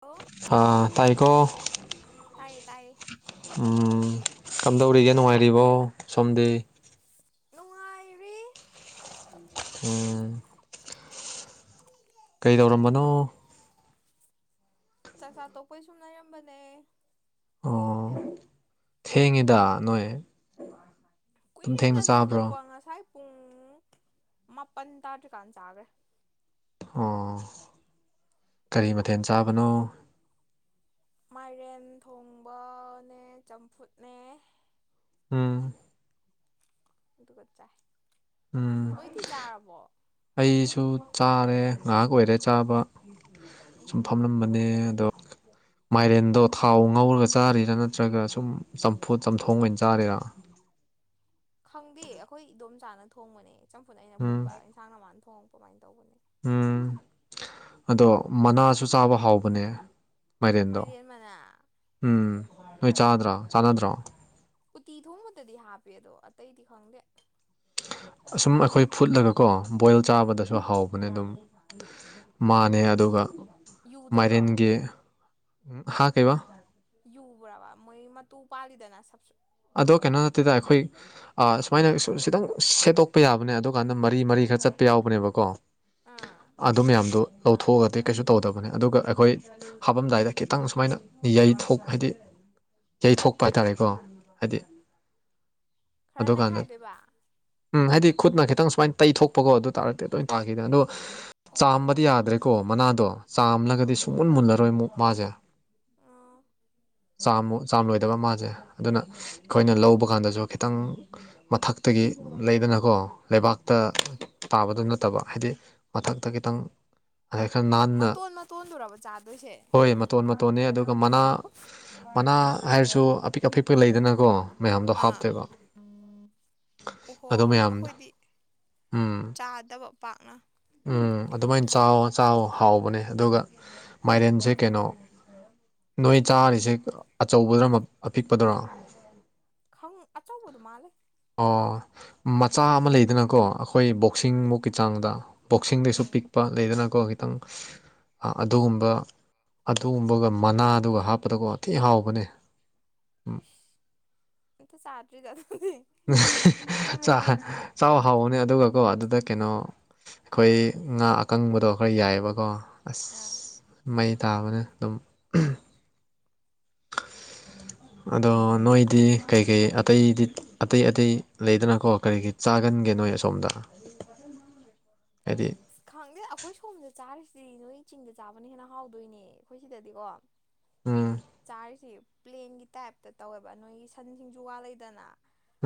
hello ꯇꯥꯏꯈꯣ ꯇꯥꯏꯌꯦ ꯇꯥꯏꯌꯦ ꯀꯝꯗꯧꯔꯤꯒꯦ ꯅꯨꯡꯉꯥꯏꯔꯤꯕꯣ ꯁꯣꯝꯗꯤ ꯅꯨꯡꯉꯥꯏꯔꯤ ꯎꯝ ꯀꯩꯗꯧꯔꯝꯕꯅꯣ ꯆꯥꯛꯆꯥ ꯇꯣꯛꯄꯩ ꯁꯨꯝ ꯂꯩꯔꯝꯕꯅꯦ ꯑꯣ ꯊꯦꯡꯉꯤꯗ ꯅꯣꯏ ꯑꯗꯨꯝ ꯀꯨꯏꯔꯦꯗ ꯊꯦꯡꯅ ꯆꯥꯕ꯭ꯔꯣ ꯆꯥꯊꯣꯛꯄ ꯉꯁꯥꯏ ꯄꯨꯡ ꯃꯥꯄꯟ ꯇꯥꯗ꯭ꯔꯤꯀꯥꯟ ꯆꯥꯈ꯭ꯔꯦ ꯑꯣ ꯀꯔꯤ ꯃꯊꯦꯜ ꯆꯥꯕꯅꯣ ꯃꯥꯏꯔꯦꯟ ꯊꯣꯡꯕꯅꯦ ꯆꯝꯐꯨꯠꯅꯦ ꯎꯝ [unintelligible] ꯆꯥꯏ ꯎꯝ ꯅꯣꯏꯗꯤ ꯆꯥꯔꯕꯣ ꯑꯩꯁꯨ ꯆꯥꯔꯦ ꯉꯥꯏꯍꯥꯛ ꯑꯣꯏꯔꯦ ꯆꯥꯕ ꯁꯨꯝ ꯎꯝꯍꯨꯝ ꯐꯝꯂꯝꯕꯅꯦ ꯑꯗꯣ ꯃꯥꯏꯔꯦꯟꯗꯣ ꯊꯥꯎ ꯉꯧꯔꯒ ꯆꯥꯔꯤꯔꯥ ꯅꯠꯇ꯭ꯔꯒ ꯁꯨꯝ ꯆꯝꯐꯨꯠ ꯆꯝꯊꯣꯡ ꯑꯣꯏꯅ ꯆꯥꯔꯤꯔꯥ ꯈꯪꯗꯦ ꯑꯩꯈꯣꯏ ꯏꯗꯣꯝ ꯆꯥꯅ ꯊꯣꯡꯕꯅꯦ ꯆꯝꯐꯨꯠ ꯑꯩꯅ ꯎꯝ ꯐꯨꯠꯄ ꯏꯟꯁꯥꯡ ꯅ ꯃꯥꯥꯟꯅ ꯊꯣꯡꯉꯛꯄ ꯀꯃꯥꯏꯅ ꯇꯧꯕꯅꯦ ꯎꯝ ꯑꯗꯣ ꯃꯅꯥꯁꯨ ꯆꯥꯕ ꯍꯥꯎꯕꯅꯦ ꯃꯥꯏꯔꯦꯟꯗꯣ ꯃꯥꯏꯔꯦꯟ ꯃꯅꯥ ꯎꯝ ꯅꯣꯏ ꯆꯥꯗ꯭ꯔꯣ ꯆꯥꯟꯅꯗ꯭ꯔꯣ ꯎꯇꯤ ꯊꯣꯡꯕꯗꯗꯤ ꯍꯥꯞꯄꯦ ꯑꯗꯣ ꯑꯇꯩꯗꯤ ꯈꯪꯗꯦ ꯑꯁꯨꯝ ꯑꯩꯈꯣꯏ ꯐꯨꯠꯂꯒꯀꯣ ꯕꯣꯏꯜ ꯆꯥꯕꯗꯁꯨ ꯍꯥꯎꯕꯅꯦ ꯑꯗꯨꯝ ꯃꯥꯅꯦ ꯑꯗꯨꯒ ꯌꯨꯗꯕ꯭ꯔꯣ ꯃꯥꯏꯔꯦꯟꯒꯤ ꯍꯥꯞꯕ ꯌꯨꯕ꯭ꯔꯕ ꯃꯣꯏ ꯃꯇꯨ ꯄꯥꯜꯂꯤꯗꯅ ꯁ ꯑꯗꯣ ꯀꯩꯅꯣ ꯅꯠꯇꯦꯗ ꯑꯩꯈꯣꯏ ꯑ ꯁꯨꯃꯥꯏꯅ ꯈꯤꯇꯪ ꯁꯦꯠꯇꯣꯛꯄ ꯌꯥꯕꯅꯦ ꯑꯗꯨ ꯀꯥꯟꯗ ꯃꯔꯤ ꯃꯔꯤ ꯈꯔ ꯆꯠꯄ ꯌꯥꯎꯕꯅꯦꯕꯀꯣ ꯑꯥ ꯑꯗꯨ ꯃꯌꯥꯝꯗꯨ ꯂꯧꯊꯣꯛꯑꯒꯗꯤ ꯀꯩꯁꯨ ꯇꯧꯗꯕꯅꯦ ꯑꯗꯨꯒ ꯑꯩꯈꯣꯏ ꯍꯥꯄꯝꯗꯥꯏꯗ ꯈꯤꯇꯪ ꯁꯨꯃꯥꯏꯅ ꯌꯩꯊꯣꯛ ꯍꯥꯏꯗꯤ ꯌꯩꯊꯣꯛꯄ ꯍꯥꯏꯇꯥꯔꯦꯀꯣ ꯍꯥꯏꯗꯤ ꯈꯔ ꯑꯗꯨꯀꯥꯟꯗ ꯅꯩꯈꯥꯏꯗꯣꯏꯕ ꯎꯝ ꯍꯥꯏꯗꯤ ꯈꯨꯠꯅ ꯈꯤꯇꯪ ꯁꯨꯃꯥꯏꯅ ꯇꯩꯊꯣꯛꯄꯀꯣ ꯑꯗꯨ ꯇꯥꯔꯗꯤ ꯑꯗꯨꯃ ꯇꯥꯈꯤꯗꯅ ꯑꯗꯣ ꯑꯣꯍꯣ ꯆꯥꯝꯕꯗꯤ ꯑꯣꯍꯣ ꯌꯥꯗ꯭ꯔꯦꯀꯣ ꯃꯅꯥꯗꯣ ꯆꯥꯝꯂꯒꯗꯤ ꯑꯥ ꯁꯨꯡꯃꯨꯟ ꯃꯨꯜꯂꯔꯣꯏ ꯃꯨꯛ ꯃꯥꯁꯦ ꯑꯥ ꯆꯥꯝꯃꯨꯛ ꯆꯥꯝ ꯂꯣꯏꯗꯕ ꯃꯥꯁꯦ ꯑꯗꯨꯅ ꯑꯩꯈꯣꯏꯅ ꯂꯧꯕ ꯀꯥꯟꯗꯁꯨ ꯈꯤꯇꯪ ꯃꯊꯛꯇꯒꯤ ꯂꯩꯗꯅꯀꯣ ꯂꯩꯕꯥꯛ ꯇ ꯇꯥꯕꯗ ꯅꯠꯇꯕ ꯍꯥꯏꯗꯤ ꯃꯊꯛꯇ ꯈꯤꯇꯪ ꯍꯥꯏ ꯈꯔ ꯅꯥꯟꯅ ꯃꯇꯣꯟ ꯃꯇꯣꯟꯗꯨꯔꯕ ꯆꯥꯗꯣꯏꯁꯦ ꯍꯣꯏ ꯇꯣꯟꯕ ꯇꯣꯟꯅꯤ ꯑꯗꯨꯒ ꯃꯅꯥ ꯃꯅꯥ ꯍꯥꯏꯔꯁꯨ ꯑꯄꯤꯛ ꯑꯄꯤꯛꯄ ꯂꯩꯗꯅꯀꯣ ꯃꯌꯥꯝꯗꯣ ꯑꯥ ꯍꯥꯞꯇꯦꯕ ꯑꯣꯍꯣ ꯃꯌꯥꯝꯗꯣ ꯑꯩꯈꯣꯏꯗꯤ ꯎꯝ ꯆꯥꯗꯕ ꯄꯥꯛꯅ ꯎꯝ ꯑꯗꯨꯃꯥꯏꯅ ꯆꯥꯎ ꯍꯥꯎꯕꯅꯦ ꯑꯗꯨꯒ ꯃꯥꯏꯔꯦꯟꯁꯦ ꯀꯩꯅꯣ ꯅꯣꯏ ꯆꯥꯔꯤꯁꯦ ꯑꯆꯧꯕꯗ ꯑꯄꯤꯛꯄꯗꯨꯔꯥ ꯈ ꯑꯆꯧꯕꯗꯨꯃ ꯑꯣ ꯃꯆꯥ ꯑꯃ ꯂꯩꯗꯅꯀꯣ ꯑꯩꯈꯣꯏ ꯕꯣꯛꯁꯤꯡ ꯎꯝ ꯃꯨꯛꯀꯤ ꯆꯥꯡꯗ ꯕꯣꯛꯁꯤꯡꯗꯩꯁꯨ ꯎꯝ ꯄꯤꯛꯄ ꯂꯩꯗꯅꯀꯣ ꯈꯤꯇꯪ ꯑꯗꯨꯒꯨꯝꯕ ꯑꯗꯨꯒꯨꯝꯕꯒ ꯃꯅꯥꯗꯨꯒ ꯍꯥꯞꯄꯗꯀꯣꯊꯤ ꯍꯥꯎꯕꯅꯦ ꯑꯁ ꯑꯇ ꯆꯥꯔꯤ ꯆ ꯆꯥꯎ ꯍꯥꯎꯕꯅꯦ ꯑꯗꯨꯒꯀꯣ ꯑꯗꯨꯗ ꯀꯩꯅꯣ ꯑꯩꯈꯣꯏ ꯉꯥ ꯑꯀꯪꯕꯗꯣ ꯈꯔ ꯌꯥꯏꯑꯕꯀꯣ ꯑꯁ ꯑꯥ ꯃꯩ ꯇꯥꯕꯅ ꯑꯗꯨꯝ ꯑꯗꯣ ꯅꯣꯏ ꯗꯤ ꯀꯩ ꯀꯩ ꯑꯇꯩꯗꯤ ꯑꯇꯩ ꯑꯇꯩ ꯂꯩꯗꯅꯀꯣ ꯀꯔꯤꯒꯤ ꯆꯥꯒꯟꯒꯦ ꯅꯣꯏ ꯑꯁꯣꯝꯗ ꯑꯣ ꯍꯥꯏꯗꯤ ꯑꯁ ꯈꯪꯗꯦ ꯑꯩꯈꯣꯏ ꯁꯣꯝꯗ ꯆꯥꯔꯤꯁꯤꯗꯤ ꯅꯣꯏ ꯆꯤꯡꯗ ꯆꯥꯕꯅ ꯍꯦꯟꯅ ꯍꯥꯎꯗꯣꯏꯅꯦ ꯑꯩꯈꯣꯏ ꯁꯤꯗꯗꯤꯀꯣ ꯎꯝ ꯆꯔꯗꯤ ꯄ꯭ꯂꯦꯟꯒꯤ ꯇꯥꯏꯞꯇ ꯇꯧꯋꯦꯕ ꯅꯣꯏꯒꯤ ꯁꯟ ꯁꯤꯡꯖꯨ ꯋꯥ ꯂꯩꯗꯅ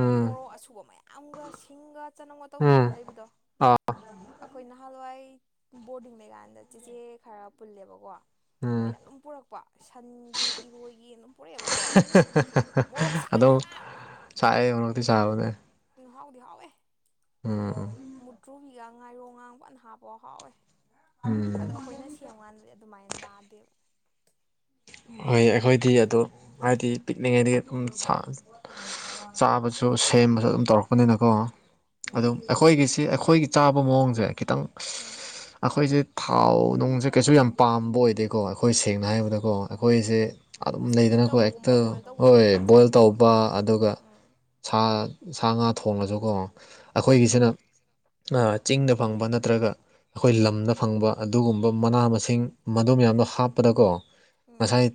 ꯎꯝ ꯃꯣꯔꯣꯛ ꯑꯁꯨꯕ ꯃꯌꯥꯝ ꯌꯥꯝꯒ ꯁꯤꯡꯒ ꯆꯅꯝꯒ ꯇꯧꯕꯤ ꯎꯝ ꯑꯃ ꯂꯩꯕꯗꯣ ꯑꯥ ꯑꯩꯈꯣꯏ ꯅꯍꯥꯟꯋꯥꯏ ꯕꯣꯔꯗꯤꯡ ꯂꯩꯀꯥꯟꯗ ꯆꯦꯆꯦ ꯈꯔ ꯄꯨꯜꯂꯦꯕꯀꯣ ꯎꯝ ꯃꯣꯏꯅ ꯑꯗꯨꯝ ꯄꯨꯔꯛꯄ ꯁꯟꯒꯤ ꯏꯔꯣꯏꯒꯤ ꯑꯗꯨꯝ ꯄꯨꯔꯛꯑꯦꯕ ꯀꯣ ꯃꯣꯔꯣꯛ ꯑꯗꯨꯝ ꯁꯥꯏꯌꯦꯕ ꯆꯥꯏꯑꯦ ꯃꯔꯛꯇꯤ ꯆꯥꯕꯅꯦ ꯎ ꯍꯥꯎꯗꯤ ꯍꯥꯎꯋꯦ ꯎꯝ ꯃꯨꯇ꯭ꯔꯨꯕꯤꯒ ꯉꯥꯏꯔꯣꯡ ꯉꯥꯡꯕꯅ ꯍꯥꯞꯄꯥꯎ ꯍꯥꯎꯋꯦ ꯑꯗꯣ ꯎꯝ ꯑꯩꯈꯣꯏꯅ ꯁꯦꯝꯕꯀꯥꯟꯗꯗꯤ ꯑꯗꯨꯃꯥꯏꯅ ꯇꯥꯗꯦꯕ ꯍꯣꯏ ꯑꯩꯈꯣꯏꯗꯤ ꯑꯗ ꯍꯥꯏꯗꯤ ꯄꯤꯛꯂꯤꯉꯩꯗꯒꯤ ꯑꯗꯨꯝ ꯆꯥꯕꯁꯨ ꯁꯦꯝꯕꯁꯨ ꯑꯗꯨꯝ ꯇꯧꯔꯛꯄꯅꯤꯅꯀꯣ ꯑꯗꯨꯝ ꯎꯝ ꯑꯩꯈꯣꯏꯒꯤꯁꯤ ꯑꯩꯈꯣꯏꯒꯤ ꯆꯥꯕ ꯃꯑꯣꯡꯁꯦ ꯈꯤꯇꯪ ꯎꯝ ꯑꯩꯈꯣꯏꯁꯦ ꯊꯥꯎ ꯅꯨꯡꯁꯦ ꯀꯩꯁꯨ ꯌꯥꯝ ꯄꯥꯝꯕ ꯑꯣꯏꯗꯦꯀꯣ ꯑꯩꯈꯣꯏ ꯁꯦꯡꯅ ꯎꯝ ꯍꯥꯏꯔꯕꯗꯀꯣ ꯎꯝ ꯎꯝ ꯑꯈꯣꯏꯁꯦ ꯑꯗꯨꯝ ꯏꯁꯇꯤꯝ ꯂꯩꯗꯅꯀꯣ ꯍꯦꯛꯇ ꯇꯧꯕꯒꯨꯝꯕ ꯕꯣꯏꯜ ꯇꯧꯕꯒꯨꯝꯕꯅ ꯍꯣꯏ ꯍꯦꯟꯅ ꯕꯣꯏꯜ ꯆꯥꯏꯀꯣ ꯇꯧꯕ ꯑꯗꯨꯒ ꯎꯝ ꯁꯥ ꯁꯥ ꯉꯥ ꯊꯣꯉꯁꯨꯀꯣ ꯎꯝ ꯑꯩꯈꯣꯏꯒꯤꯁꯤꯅ ꯆꯤꯡꯗ ꯐꯪꯕ ꯅꯠꯇ꯭ꯔꯒ ꯑꯩꯈꯣꯏ ꯂꯝꯗ ꯐꯪꯕ ꯑꯗꯨꯒꯨꯝꯕ ꯃꯅꯥ ꯃꯁꯤꯡ ꯃꯗꯨ ꯃꯌꯥꯝꯗꯣ ꯍꯥꯞꯄꯗꯀꯣ ꯎꯝ ꯉꯁꯥꯏ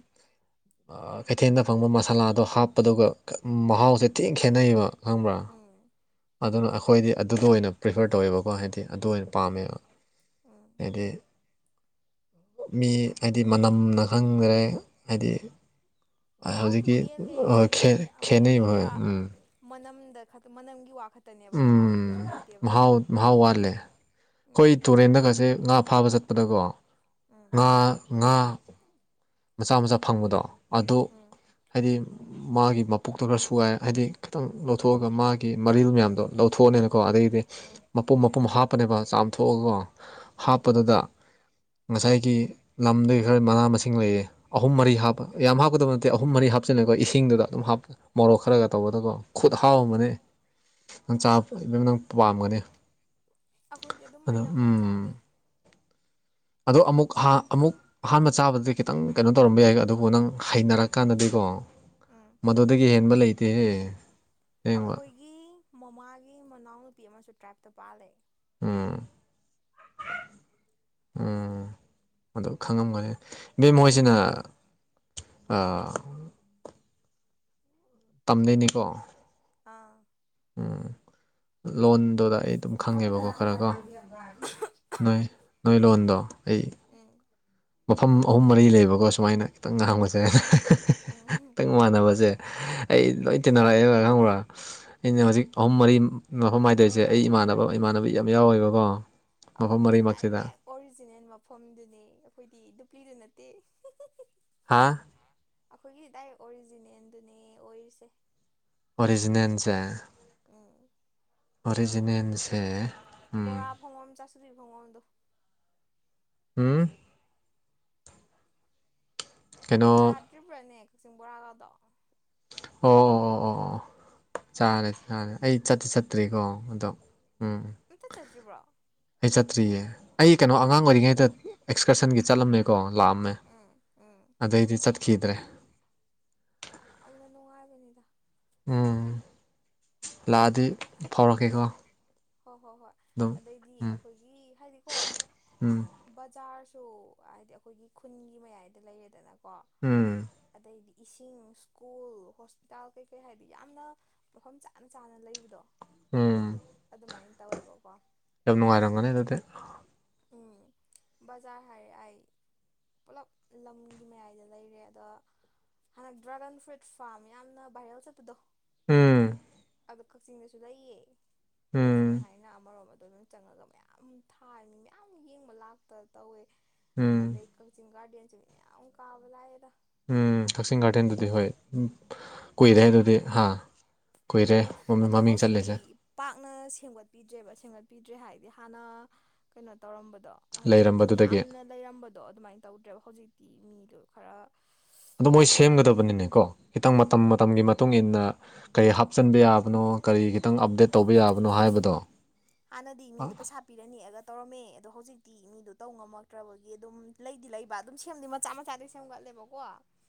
ꯀꯩꯊꯦꯜꯗ ꯐꯪꯕ ꯃꯁꯥꯂꯥꯗꯣ ꯍꯥꯞꯄꯗꯨꯒ ꯃꯍꯥꯎꯁꯦ ꯃꯇꯦꯡ ꯈꯦꯠꯅꯩꯕ ꯈꯪꯕ꯭ꯔꯥ ꯎꯝ ꯑꯗꯨꯅ ꯑꯩꯈꯣꯏꯗꯤ ꯑꯗꯨꯗ ꯑꯣꯏꯅ ꯄ꯭ꯔꯤꯐꯔ ꯇꯧꯋꯦꯕꯀꯣ ꯍꯥꯏꯗꯤ ꯑꯗꯨ ꯑꯣꯏꯅ ꯄꯥꯝꯃꯦꯕ ꯎꯝ ꯍꯥꯏꯗꯤ ꯃꯤ ꯍꯥꯏꯗꯤ ꯃꯅꯝꯅ ꯈꯪ ꯐꯪꯗꯔꯦ ꯍꯥꯏꯗꯤ ꯃꯍꯥꯎꯁꯨ ꯍꯧꯖꯤꯛꯀꯤ ꯍꯦꯜꯂꯦ ꯈꯦ ꯑꯗꯩꯗꯤ ꯈꯦꯅꯤ ꯑꯃꯗꯨꯗꯤ ꯄꯨꯔꯥ ꯎꯝ ꯃꯅꯝꯗ ꯃꯅꯝꯒꯤ ꯋꯥ ꯈ ꯎꯝ ꯃꯍꯥꯎ ꯃꯍꯥꯎ ꯋꯥꯔꯂꯦ ꯑꯩꯈꯣꯏ ꯎꯝ ꯇꯨꯔꯦꯟꯗꯒꯁꯦ ꯉꯥ ꯐꯥꯕ ꯆꯠꯄꯗꯀꯣ ꯎꯝ ꯉꯥ ꯉꯥ ꯃꯆꯥ ꯃꯆꯥ ꯐꯪꯕꯗꯣ ꯑꯗꯨ ꯎꯝ ꯍꯥꯏꯗꯤ ꯃꯥꯒꯤ ꯃꯄꯣꯛꯇꯣ ꯈꯔ ꯁꯨ ꯌꯥꯥꯏ ꯍꯥꯏꯗꯤ ꯈꯤꯇꯪ ꯂꯧꯊꯣꯛꯑꯒ ꯃꯥꯒꯤ ꯃꯔꯤꯜ ꯃꯌꯥꯝꯗꯣ ꯂꯧꯊꯣꯛꯑꯅꯦꯅꯀꯣ ꯎꯝ ꯑꯗꯗꯒꯤꯗꯤ ꯎꯝ ꯃꯄꯨꯝ ꯃꯄꯨꯝ ꯍꯥꯞꯄꯅꯦꯕ ꯆꯥꯝꯊꯣꯛꯑꯒꯀꯣ ꯎꯝ ꯍꯥꯞꯄꯗꯨꯗ ꯉꯁꯥꯏꯒꯤ ꯂꯝꯗꯒꯤ ꯈꯔ ꯃꯅꯥ ꯃꯁꯤꯡ ꯂꯩꯌꯦ ꯑꯍꯨꯝ ꯃꯔꯤ ꯎꯝ ꯍꯥꯞꯄ ꯌꯥꯝ ꯍꯥꯞꯀꯗꯕ ꯅꯠꯇꯦ ꯑꯍꯨꯝ ꯃꯔꯤ ꯍꯥꯞꯆꯤꯜꯂꯦꯀꯣ ꯏꯁꯤꯡꯗꯨꯗ ꯑꯗꯨꯝꯞ ꯍꯞꯄꯣ ꯃꯣꯔꯣꯛ ꯈꯔꯒ ꯇꯧꯕꯗꯀꯣ ꯈꯨꯠ ꯎꯝ ꯍꯥꯎꯃꯅꯦ ꯅꯪ ꯆꯥ ꯏꯕ ꯅꯪ ꯄꯥꯝꯒꯅꯤ ꯑꯩꯈꯣꯏꯗꯤ ꯑꯗꯣ ꯑꯗꯨꯝꯥꯏꯅ ꯑꯃꯨꯣꯡ ꯎꯝ ꯆꯥꯗꯦ ꯑꯗꯣ ꯑꯃꯨꯛ ꯑꯃꯨꯛ ꯑꯍꯥꯟꯕ ꯆꯥꯕꯗ ꯈꯤꯇꯪ ꯀꯩꯅꯣ ꯇꯧꯔꯝꯕ ꯌꯥꯏ ꯑꯗꯨꯕꯨ ꯅꯪ ꯍꯩꯅꯔꯛꯀꯥꯟꯗꯗꯤꯀꯣ ꯎꯝ ꯃꯗꯨꯗꯒꯤ ꯍꯦꯟꯕ ꯂꯩ ꯇ‌ꯦ ꯑꯩꯈꯣꯏꯒꯤ ꯃꯃꯥꯒꯤ ꯃꯅꯥꯎꯅꯨꯄꯤ ꯑꯃꯁꯨ ꯇ꯭ꯔꯥꯏꯞꯇ ꯄꯥꯂꯦ ꯎꯝ ꯎꯝ ꯃꯗꯨ ꯈꯪꯉꯝꯒꯅꯤ ꯃ‌ꯦꯝ ꯍ‌ꯣꯏꯁꯤꯅ ꯑ ꯇꯝꯗꯣꯏꯅꯤꯀꯣ ꯑꯥ ꯎꯝ ꯂꯣꯟꯗꯨꯗ ꯑꯩ ꯑꯗꯨꯝ ꯈꯪꯉꯦꯕꯀꯣ ꯈꯔꯀꯣ ꯅꯣꯏ ꯅꯣꯏ ꯂꯣꯟꯗꯣ ꯑꯩ ꯎꯝ ꯃꯐꯝ ꯂꯩꯕꯀꯣ ꯁꯨꯃꯥꯏꯅ ꯉꯥꯡꯕꯁꯦ ꯎꯝ ꯎꯝ ꯑꯍꯨꯝ ꯃꯔꯤ ꯂꯩꯕꯀꯣ ꯁꯨꯃꯥꯏꯅ ꯈꯤꯇꯪ ꯉꯥꯡꯕꯁꯦ [unintelligible] ꯑꯩꯈ‌ꯣꯏ ꯏꯃꯥꯟꯅꯕꯁꯦ ꯑꯩ ꯂꯣꯏ ꯇꯤꯟꯅꯔꯛꯑꯦꯕ ꯈꯪꯕ꯭ꯔꯥ ꯑꯩꯅ ꯍꯧꯖꯤꯛ ꯑꯍꯨꯝ ꯃꯔꯤ ꯃꯐꯝ ꯍꯥꯏꯗꯣꯏꯁꯦ ꯑꯩ ꯏꯃꯥꯟꯅꯕ ꯏꯃꯥꯟꯅꯕꯤ ꯌꯥꯝ ꯌꯥꯎꯋꯦꯕꯀꯣ ꯂꯣꯏ ꯇꯤꯟꯅꯔꯛꯑꯦꯕ ꯈꯪꯕ꯭ꯔꯥ ꯃꯐꯝ ꯑꯩꯈꯣꯏꯒꯤꯗꯤ ꯃꯔꯤꯃꯛꯁꯤꯗ ꯗꯥꯏꯔꯦꯛ ꯑꯣꯔꯤꯖꯤꯅꯦꯜ ꯃꯐꯝꯗꯨꯅꯦ ꯑꯩꯈꯣꯏꯗꯤ ꯗꯨꯄ꯭ꯂꯤꯗꯨ ꯅꯠꯇꯦ [unintelligible] ꯍꯥꯥ ꯑꯩꯈꯣꯏꯒꯤ ꯗꯥꯏꯔꯦꯛ ꯑꯣꯔꯤꯖꯤꯅꯦꯜꯗꯨꯅꯦ ꯑꯣꯏꯔꯤꯁꯦ ꯑꯣꯔꯤꯖꯤꯅꯦꯜꯁꯦ ꯎꯝ ꯑꯣꯔꯤꯖꯤꯅꯦꯜꯁꯦ ꯎꯝ ꯕꯣꯔꯥ ꯐꯪꯐꯝ ꯆꯥꯁꯨꯕꯤ ꯐꯪꯐꯝꯗꯨ ꯎꯝ ꯀꯩꯅꯣ ꯆꯥꯗ꯭ꯔꯤꯕ꯭ꯔꯥꯅꯦ ꯀꯛꯆꯤꯡ ꯕꯣꯔꯥꯒꯗꯣ ꯑꯣ ꯑꯣ ꯑꯣ ꯑꯣ ꯑꯣ ꯆꯥꯔꯦ ꯆꯥꯔꯦ ꯑꯩ ꯆꯠꯇꯤ ꯆꯠꯇ꯭ꯔꯤꯀꯣ ꯑꯗꯣ ꯎꯝ ꯑꯝꯇ ꯆꯠꯇ꯭ꯔꯤꯕ꯭ꯔꯣ ꯑꯩ ꯆꯠꯇ꯭ꯔꯤꯌꯦ ꯑꯩ ꯀꯩꯅꯣ ꯑꯉꯥꯡ ꯑꯣꯏꯔꯤꯉꯩꯗ ꯑꯦꯛꯁꯀꯔꯁꯟꯒꯤ ꯆꯠꯂꯝꯃꯦꯀꯣ ꯂꯥꯛꯑꯝꯃꯦ ꯎꯝ ꯎꯝ ꯑꯗꯩꯗꯤ ꯆꯠꯈꯤꯗ꯭ꯔꯦ ꯌꯥꯝꯅ ꯅꯨꯡꯉꯥꯏꯕꯅꯤꯗ ꯎꯝ ꯂꯥꯛꯑꯗꯤ ꯐꯥꯎꯔꯛꯀꯦꯀꯣ ꯍꯣꯏ ꯍꯣꯏ ꯍꯣꯏ ꯑꯗꯨꯝ ꯑꯗꯩꯗꯤ ꯎꯝ ꯑꯩꯈꯣꯏꯒꯤ ꯍꯥꯏꯗꯤꯀꯣ ꯎꯝ ꯕꯖꯥꯔꯁꯨ ꯍꯥꯏꯗꯤ ꯑꯩꯈꯣꯏꯒꯤ ꯈꯨꯟꯒꯤ ꯃꯌꯥꯏꯗ ꯂꯩꯔꯦꯗꯅꯀꯣ ꯎꯝ ꯑꯗꯩꯗꯤ ꯏꯁꯤꯡ ꯁ꯭ꯀꯨꯜ ꯍꯣꯁꯄꯤꯇꯥꯜ ꯀꯩꯀꯩ ꯍꯥꯏꯗꯤ ꯌꯥꯝꯅ ꯃꯐꯝ ꯆꯥꯅ ꯆꯥꯅ ꯂꯩꯕꯗꯣ ꯎꯝ ꯑꯗꯨꯃꯥꯏꯅ ꯇꯧꯋꯦꯕꯀꯣ ꯌꯥꯝ ꯑꯗꯩꯗꯤ ꯅꯨꯡꯉꯥꯏꯔꯝꯒꯅꯤ ꯑꯗꯨꯗꯤ ꯎꯝ ꯕꯖꯥꯔ ꯍꯥꯏꯔꯦ ꯑꯩ ꯄꯨꯂꯞ ꯂꯝꯒꯤ ꯃꯌꯥꯏꯗ ꯂꯩꯔꯦ ꯑꯗ‌ꯣ ꯍꯟꯗꯛ ꯗ꯭ꯔꯥꯒꯟ ꯐ꯭ꯔꯨꯏꯠ ꯐꯥꯔꯝ ꯌꯥꯝꯅ ꯚꯥꯏꯔꯦꯜ ꯆꯠꯄꯗꯣ ꯎꯝ ꯑꯗꯣ ꯀꯛꯆꯤꯡꯗꯁꯨ ꯂꯩꯌꯦ ꯎꯝ ꯀ꯭ꯔꯦꯖꯤꯡ ꯍꯥꯏꯅ ꯑꯃꯔꯣꯝꯗꯣ ꯑꯗꯨꯝ ꯆꯪꯉꯒ ꯃꯌꯥꯝ ꯊꯥꯔꯅꯤ ꯃꯌꯥꯝ ꯌꯦꯡꯕ ꯂꯥꯛꯄ ꯇꯧꯋꯦ ꯎꯝ ꯑꯗꯩ ꯀꯛꯆꯤꯡ ꯒꯥꯔꯗꯟꯁꯨ ꯃꯌꯥꯝ ꯀꯥꯕ ꯂꯥꯛꯑꯗ ꯎꯝ ꯀꯛꯆꯤꯡ ꯒꯥꯔꯗꯦꯟꯗꯨꯗꯤ ꯍꯣꯏ ꯎꯝ ꯀꯨꯏꯔꯦ ꯍꯥꯏꯗꯨꯗꯤ ꯍꯥ ꯀꯨꯏꯔꯦ ꯃꯃꯤꯡ ꯑꯗꯣ ꯃꯃꯤꯡ ꯆꯠꯂꯤꯁꯦ ꯍꯧꯖꯤꯛꯇꯤ ꯄꯥꯛꯅ ꯁꯦꯝꯒꯠꯄꯤꯗ꯭ꯔꯦꯕ ꯁꯦꯝꯒꯠꯄꯤꯗ꯭ꯔꯦ ꯍꯥꯏꯗꯤ ꯍꯥꯟꯅ ꯀꯩꯅꯣ ꯇꯧꯔꯝꯕꯗꯣ ꯍꯥꯏꯗꯤ ꯃꯤ ꯂꯩꯔꯝꯕꯗꯨꯗꯒꯤ ꯌꯥꯝꯅ ꯂꯩꯔꯝꯕꯗꯣ ꯑꯗꯨꯃꯥꯏꯅ ꯇꯧꯗ꯭ꯔꯦꯕ ꯍꯧꯖꯤꯛꯇꯤ ꯃꯤꯗꯣ ꯈꯔ ꯑꯗꯣ ꯃꯣꯏ ꯁꯦꯝꯒꯗꯕꯅꯤꯅꯦꯀꯣ ꯈꯤꯇꯪ ꯃꯇꯝ ꯃꯇꯝꯒꯤ ꯃꯇꯨꯡ ꯏꯟ ꯅ ꯀꯔꯤ ꯍꯥꯞꯆꯤꯟꯕ ꯌꯥꯕꯅꯣ ꯀꯔꯤ ꯈꯤꯇꯪ ꯑꯞꯗꯦꯠ ꯇꯧꯕ ꯌꯥꯕꯅꯣ ꯍꯥꯏꯕꯗꯣ ꯍꯥꯟꯅ ꯃꯤꯗꯨ ꯄꯩꯁ ꯄꯤꯔ ꯅꯦꯛ ꯑꯒ ꯇꯧꯔꯝꯃꯦ ꯑꯗꯣ ꯍꯧꯖꯤꯛꯇꯤ ꯃꯤꯗꯣ ꯇꯧ ꯉꯝꯃꯛꯇ꯭ꯔꯕꯒꯤ ꯑꯗꯨꯝ ꯂꯩꯗꯤ ꯂꯩꯕ ꯑꯗꯨꯝ ꯁꯦꯝꯗꯤ ꯃꯆꯥ ꯃꯆꯥꯗꯤ ꯁꯦꯝꯒꯠꯂꯦꯕꯀꯣ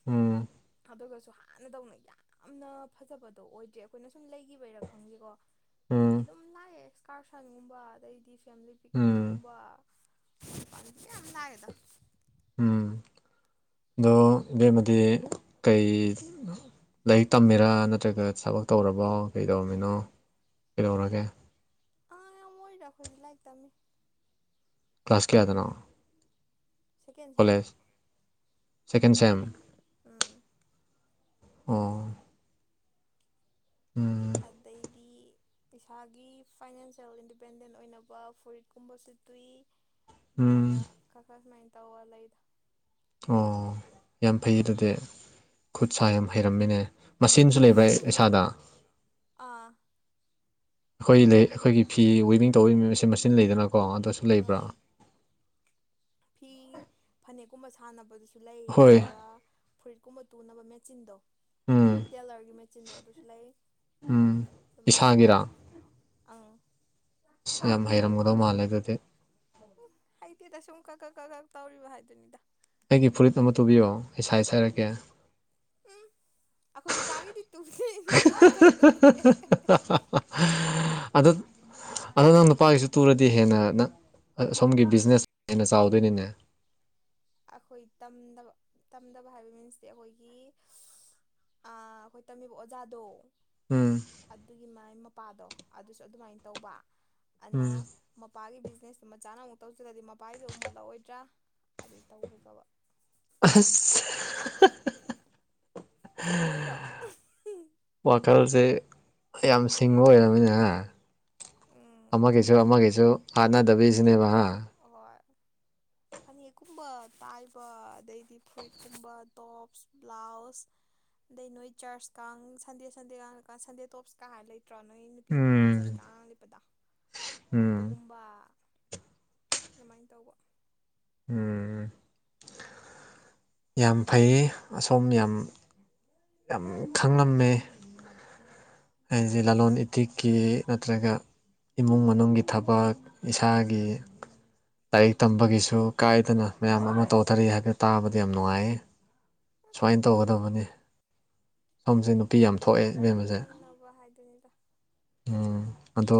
ꯎꯝ ꯑꯗꯨꯒꯁꯨ ꯍꯥꯟꯅꯗꯧꯅ ꯌꯥꯝꯅ ꯐꯖꯕꯗꯣ ꯑꯣꯏꯗ꯭ꯔꯦ ꯑꯩꯈꯣꯏꯅ ꯁꯨꯝ ꯂꯩꯈꯤꯕꯩꯔꯥ ꯈꯪꯗꯦꯀꯣ ꯃꯤꯗꯤ ꯎꯝ ꯑꯗꯨꯝ ꯂꯥꯛꯑꯦ ꯑꯦꯛꯁꯀꯔꯁꯟꯒꯨꯝꯕ ꯑꯗꯩꯗꯤ ꯐꯦꯃꯤꯂꯤ ꯎꯝ ꯄꯤꯛꯅꯤꯛꯀꯨꯝꯕ [unintelligible] ꯗ ꯎꯝ ꯑꯗꯣ ꯕꯦꯝꯃꯗꯤ ꯀꯩ ꯂꯥꯏꯔꯤꯛ ꯇꯝꯃꯤꯔꯥ ꯅꯠꯇ꯭ꯔꯒ ꯊꯕꯛ ꯇꯧꯔꯕꯣ ꯀꯩꯗꯧꯔꯝꯃꯤꯅꯣ ꯀꯩꯗꯧꯔꯒꯦ ꯑꯉꯥꯡ ꯌꯥꯝ ꯑꯣꯏꯔꯤꯗꯥ ꯑꯩꯈꯣꯏꯗꯤ ꯂꯥꯏꯔꯤꯛ ꯇꯝꯃꯤ ꯀ꯭ꯂꯥꯁ ꯀꯌꯥꯗꯅꯣ ꯁꯦꯀꯦꯟ ꯁꯦꯝ ꯀꯣꯂꯦꯖ ꯁꯦꯀꯦꯟ ꯁꯦꯝ ꯎꯝ ꯑꯣ ꯎꯝ ꯑꯗꯩꯗꯤ ꯏꯁꯥꯒꯤ ꯐꯥꯏꯅꯥꯟꯁꯌꯦꯜ ꯏꯟꯗꯤꯄꯦꯟꯗꯦꯟ ꯑꯣꯏꯅꯕ ꯐꯨꯔꯤꯠꯀꯨꯝꯕꯁꯨ ꯇꯨꯏ ꯎꯝ ꯑꯗꯨꯃꯥꯏꯅ ꯈꯔ ꯈꯔ ꯁꯨꯃꯥꯏꯅ ꯇꯧꯑ ꯂꯩꯗ ꯑꯣ ꯌꯥꯝ ꯐꯩ ꯑꯗꯨꯗꯤ ꯈꯨꯠ ꯁꯥ ꯌꯥꯝ ꯍꯩꯔꯝꯃꯤꯅꯦ ꯃꯁꯤꯟꯁꯨ ꯂꯩꯕ꯭ꯔꯥ ꯏꯁꯥꯗ ꯑꯥ ꯑꯩꯈꯣꯏ ꯂꯩ ꯑꯩꯈꯣꯏꯒꯤ ꯐꯤ ꯋꯤꯕꯤꯡ ꯇꯧꯕꯩ ꯃꯁꯤ ꯃꯆꯤꯟ ꯂꯩꯗꯅꯀꯣ ꯑꯗꯨꯁꯨ ꯂꯩꯕ꯭ꯔꯥ ꯐꯤꯒꯤ ꯐꯅꯦꯛꯀꯨꯝꯕ ꯁꯥꯟꯅꯕꯗꯨꯁꯨ ꯂꯩ ꯍꯣꯏ ꯑꯗꯨꯒ ꯐꯨꯔꯤꯠꯀꯨꯝꯕ ꯇꯨꯅꯕ ꯃꯦꯆꯤꯟꯗꯣ ꯎꯝ ꯇꯦꯂꯔꯒꯤ ꯃꯦꯆꯤꯟꯗꯣ ꯑꯗꯨꯁꯨ ꯂꯩ ꯑꯗꯨꯃꯥꯏꯅ ꯂꯩ ꯏꯁꯥꯒꯤꯔꯥ ꯑꯪ ꯑꯁ ꯌꯥꯝ ꯍꯩꯔꯝꯒꯗꯧ ꯃꯥꯜꯂꯦ ꯑꯗꯨꯗꯤ ꯎꯝ ꯍꯩꯇꯦꯗ ꯁꯨꯝ ꯀꯛ ꯀꯛ ꯀꯛ ꯀꯛ ꯇꯧꯔꯤꯕ ꯍꯥꯏꯗꯨꯅꯤꯗ ꯑꯩꯒꯤ ꯐꯨꯔꯤꯠ ꯑꯃ ꯇꯨꯕꯤꯌꯣ ꯑꯩ ꯁꯥꯏꯖ ꯍꯥꯏꯔꯛꯀꯦ ꯎꯝ ꯑꯩꯈꯣꯏ ꯅꯨꯄꯥꯒꯤꯗꯤ ꯇꯨꯗꯦ ꯅꯨꯄꯤꯒꯤ ꯈꯛꯇꯅꯦ ꯑꯗꯣ ꯑꯗꯣ ꯅꯪ ꯅꯨꯄꯥꯒꯤꯁꯨ ꯇꯨꯔꯗꯤ ꯍꯦꯟꯅ ꯅꯪ ꯁꯣꯝꯒꯤ ꯕꯤꯖꯤꯅꯦꯁ ꯍꯦꯟꯅ ꯆꯥꯎꯗꯣꯏꯅꯤꯅꯦ ꯑꯩꯈꯣꯏ ꯇꯝꯗꯕ ꯇꯝꯗꯕ ꯍꯥꯏꯕ ꯃꯤꯟꯁꯇꯤ ꯑꯩꯈꯣꯏꯒꯤ ꯑꯥ ꯑꯩꯈꯣꯏ ꯇꯝꯃꯤꯕ ꯑꯣꯖꯥꯗꯣ ꯎꯝ ꯑꯗꯨꯒꯤ ꯃꯥꯏ ꯃꯄꯥꯗꯣ ꯑꯗꯨꯁꯨ ꯑꯗꯨꯃꯥꯏꯅ ꯇꯧꯕ ꯑꯗꯨꯅ ꯎꯝ ꯃꯄꯥꯒꯤ ꯕꯤꯖꯤꯅꯦꯁꯇꯨ ꯃꯆꯥꯅ ꯑꯃꯨꯛ ꯇꯧꯁꯤꯜꯂꯗꯤ ꯃꯄꯥꯒꯤꯗꯣ ꯑꯃꯨꯛ ꯃꯨꯠꯂꯛꯑꯣꯏꯗ꯭ꯔꯥ ꯑꯗꯩ ꯇꯧꯗꯕ ꯑꯁ [unintelligible] ꯅꯣꯛꯏꯔꯣ ꯋꯥꯈꯜꯁꯦ ꯌꯥꯝ ꯁꯤꯡꯕ ꯑꯣꯏꯔꯝꯃꯦꯅꯦ ꯍꯥ ꯎꯝ ꯑꯃꯒꯤꯁꯨ ꯑꯗꯒꯤꯗꯤ ꯑꯃꯒꯤꯁꯨ ꯍꯥꯠꯅꯗꯕꯤꯁꯤꯅꯦꯕ ꯍꯥ ꯍꯣꯏ ꯐꯅꯦꯛꯀꯨꯝꯕ ꯇꯥꯏꯕ ꯑꯗꯩꯗꯤ ꯐꯨꯔꯤꯠꯀꯨꯝꯕ ꯇꯣꯞꯁ ꯕ꯭ꯂꯥꯎꯁ ꯑꯗꯩ ꯅꯣꯏ ꯆꯔꯆ ꯀꯥꯡ ꯁꯟꯗꯦ ꯁꯟꯗꯦꯒꯥꯡ ꯁꯟꯗꯦ ꯇꯣꯞꯁꯀ ꯍꯥꯏ ꯂꯩꯇ꯭ꯔꯣ ꯅꯣꯏ ꯅꯨꯄꯤ ꯃꯈꯩꯅ ꯎꯝ ꯆꯔꯆ ꯀꯥꯡ ꯂꯤꯠꯄꯗꯣ ꯎꯝ ꯑꯗꯨꯒꯨꯝꯕ ꯑꯗꯨꯃꯥꯏꯟ ꯇꯧꯕ ꯎꯝ ꯌꯥꯝ ꯐꯩꯌꯦ ꯑꯁꯣꯝ ꯌꯥꯝ ꯌꯥꯝ ꯈꯪꯂꯝꯃꯦ ꯅꯣꯏꯁꯦ ꯂꯂꯣꯟ ꯏꯇꯤꯛꯀꯤ ꯅꯠꯇ꯭ꯔꯒ ꯏꯃꯨꯡ ꯃꯅꯨꯡꯒꯤ ꯊꯕꯛ ꯏꯁꯥꯒꯤ ꯂꯥꯏꯔꯤꯛ ꯇꯝꯕꯒꯤꯁꯨ ꯀꯥꯏꯗꯅ ꯃꯌꯥꯝ ꯑꯃ ꯇꯧꯊꯔꯤ ꯍꯥꯏꯐꯦꯠ ꯇꯥꯕꯗ ꯌꯥꯝ ꯅꯨꯡꯉꯥꯏꯑꯦ ꯁꯨꯃꯥꯏ ꯇꯧꯒꯗꯕꯅꯤ ꯁꯣꯝꯁꯦ ꯅꯨꯄꯤ ꯌꯥꯝ ꯊꯣꯛꯑꯦ ꯉꯝꯅ ꯏꯕꯦꯝꯕꯁꯦ ꯉꯝꯅꯕ ꯍꯥꯏꯗꯨꯅꯤꯗ ꯎꯝ ꯑꯗꯣ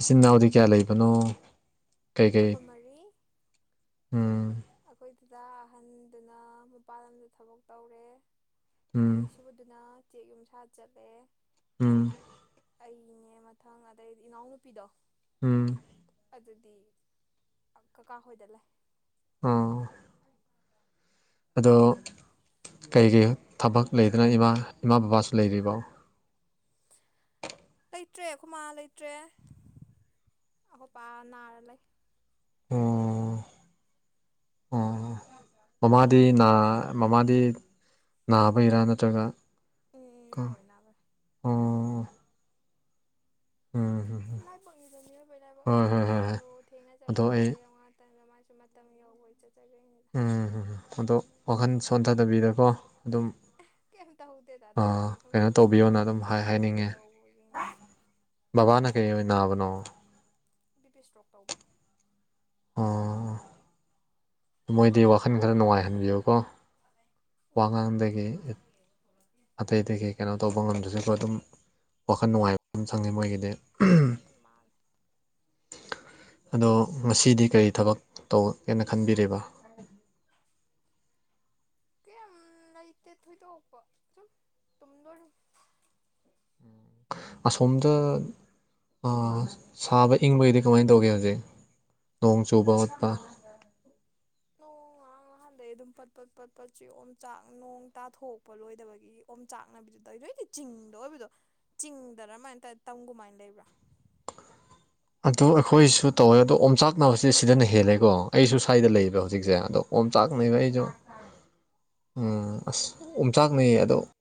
ꯏꯆꯤꯟ ꯏꯅꯥꯎꯗꯤ ꯀꯌꯥ ꯂꯩꯕꯅꯣ ꯀꯩ ꯀꯩ ꯑꯩꯈꯣꯏ ꯎꯝ ꯑꯈꯣꯏ ꯗꯥꯗ ꯑꯍꯟꯗꯨꯅ ꯃꯄꯥꯥꯟ ꯂꯝꯗ ꯊꯕꯛ ꯇꯧꯔꯦ ꯎꯝ ꯑꯅꯤꯁꯨꯕꯗꯨꯅ ꯆꯦꯛ ꯌꯨꯝꯁꯥ ꯆꯠꯂꯦ ꯎꯝ ꯑꯩꯅꯦ ꯃꯊꯪ ꯑꯗꯩꯗꯤ ꯏꯅꯥꯎꯅꯨꯄꯤꯗꯣ ꯎꯝ ꯑꯗꯨꯗꯤ ꯀꯀꯥ ꯍꯣꯏꯗ ꯂꯩ ꯎꯝ ꯑꯗꯣ ꯀꯩꯀꯩ ꯊꯕꯛ ꯂꯩꯗꯅ ꯏꯃꯥ ꯏꯃꯥ ꯕꯕꯥꯁꯨ ꯂꯩꯔꯤꯕꯣ ꯂꯩꯇ꯭ꯔꯦ ꯑꯩꯈꯣꯏ ꯃꯥ ꯂꯩꯇ꯭ꯔꯦ ꯑꯩꯈꯣꯏ ꯄꯥ ꯅꯥꯔ ꯂꯩ ꯎꯝ ꯑꯣ ꯃꯃꯥꯗꯤ ꯃꯃꯥꯗꯤ ꯅꯥꯕꯒꯤꯔꯥ ꯅꯠꯇ꯭ꯔꯒ ꯎꯝ ꯀꯣ ꯅꯥꯕꯩ ꯅꯥꯕꯩ ꯑꯣ ꯎꯝ ꯍꯝ ꯂꯥꯏꯕꯛꯅꯤꯕ ꯃꯤꯑꯣꯏꯕꯒꯤ ꯂꯥꯏꯕꯛ ꯍꯣꯏ ꯍꯣꯏ ꯉꯟꯅ ꯍꯣꯏ ꯍꯣꯏ ꯆꯠꯂꯣ ꯊꯦꯡꯅ ꯆꯠꯂꯣ ꯑꯗꯣ ꯂꯣꯏ ꯑꯩ ꯂꯩꯔꯃ ꯃꯇꯝꯅ ꯃꯥꯁꯨ ꯃꯇꯝ ꯌꯧꯕꯩ ꯆꯠꯆꯒꯔ꯭ꯤꯅꯤꯗ ꯎꯝ ꯑꯗꯣ ꯋꯥꯈꯜ ꯁꯣꯟꯊꯗꯕꯤꯗꯀꯣ ꯑꯗꯨꯝ ꯀꯩꯝ ꯇꯧꯗꯦꯗ ꯑꯗꯨꯒꯤꯗꯤ ꯀꯩꯅꯣ ꯇꯧꯕꯤꯌꯣꯅ ꯁꯨꯝꯃꯥꯏ ꯁꯨꯝ ꯑꯗꯨꯝ ꯃꯥꯏꯖꯨ ꯍꯥꯏ ꯃꯇꯝ ꯍꯥꯏꯅꯤꯡꯉꯦ ꯌꯧꯕꯒꯤꯅꯤꯗ ꯕꯕꯥꯅ ꯀꯩ ꯑꯣꯏꯅ ꯅꯥꯕꯅꯣ ꯕꯤ ꯄꯤ ꯏꯁꯇ꯭ꯔꯣꯛ ꯇꯧꯕ ꯑꯣ ꯃꯣꯏꯗꯤ ꯋꯥꯈꯜ ꯈꯔ ꯅꯨꯡꯉꯥꯏꯍꯟꯕꯤꯌꯨꯀꯣ ꯎꯝ ꯋꯥꯉꯥꯡꯗꯒꯤ ꯑꯇꯩꯗꯒꯤ ꯀꯩꯅꯣ ꯇꯧꯕ ꯉꯝꯗꯔꯁꯨ ꯑꯗꯨꯝ ꯋꯥꯈꯜ ꯅꯨꯡꯉꯥꯏ ꯍꯟꯕ ꯑꯗꯨꯝ ꯆꯪꯉꯤ ꯃꯣꯏꯒꯤꯗꯤ ꯎꯝ ꯃꯥꯅꯦ ꯑꯗꯣ ꯉꯁꯤꯗꯤ ꯀꯔꯤ ꯊꯕꯛ ꯇꯧꯒꯦꯅ ꯈꯟꯕꯤꯔꯦꯕ ꯀꯩꯝ ꯂꯩꯇꯦ ꯊꯣꯏꯗꯣꯛꯄ ꯁꯨꯝ ꯇꯨꯝꯗꯣꯏꯔ ꯑꯁꯣꯝꯗ ꯑꯥ ꯁꯥꯕ ꯏꯪꯕꯒꯤꯗꯤ ꯀꯃꯥꯏꯅ ꯇꯧꯒꯦ ꯍꯧꯖꯤꯛ ꯅꯣꯡ ꯆꯨꯕ ꯈꯣꯠꯄ ꯅꯣꯡ ꯉꯍꯥꯛ ꯅꯍꯥꯟꯗꯩ ꯑꯗꯨꯝ ꯄꯠ ꯄꯠ ꯆꯨꯏ ꯑꯣꯝ ꯆꯥꯛ ꯅꯣꯡ ꯇꯥꯊꯣꯛꯄ ꯂꯣꯏꯗꯕꯒꯤ ꯑꯣꯝ ꯆꯥꯛꯅꯕꯤꯗꯨ ꯇꯧꯗꯣꯏꯗꯤ ꯆꯤꯡꯗ ꯑꯣꯏꯕꯗꯣ ꯆꯤꯡꯗꯔꯃꯥꯏꯅ ꯇꯧꯔ ꯇꯝꯒꯃꯥꯏꯅ ꯂꯩꯕ꯭ꯔꯥ ꯑꯗꯣ ꯑꯩꯈꯣꯏꯁꯨ ꯇꯧꯋꯦ ꯑꯗꯣ ꯑꯣꯝꯆꯥꯛꯅꯕꯁꯦ ꯁꯤꯗꯅ ꯍꯦꯜꯂꯦꯀꯣ ꯑꯩꯁꯨ ꯁ꯭ꯋꯥꯏꯗ ꯎꯝ ꯂꯩꯌꯦꯕ ꯍꯧꯖꯤꯛꯁꯦ ꯑꯗꯣ ꯑꯣꯝꯆꯥꯛꯅꯩꯕ ꯑꯩꯗꯣ ꯎꯝ ꯑꯁ ꯎꯝꯍꯨꯝ ꯑꯣꯝꯆꯥꯛꯅꯩꯌꯦ ꯑꯗꯣ